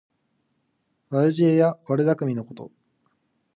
悪知恵や悪だくみのこと。